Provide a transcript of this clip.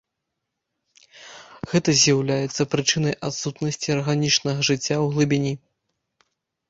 Гэта з'яўляецца прычынай адсутнасці арганічнага жыцця ў глыбіні.